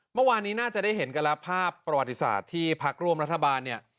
เมื่อวานนี้น่าจะได้เห็นกันแล้วภาพประวัติศาสตร์ที่พักร่วมรัฐบาลเนี่ย